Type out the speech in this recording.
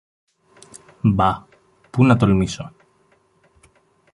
Μπα! Πού να τολμήσω!